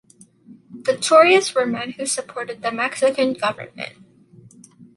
The "Tories" were men who supported the Mexican government.